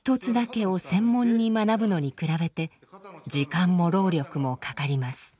１つだけを専門に学ぶのに比べて時間も労力もかかります。